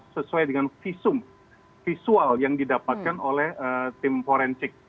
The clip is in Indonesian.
sesuai dengan visum visual yang didapatkan oleh tim forensik